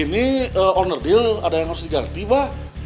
ini owner deal ada yang harus diganti pak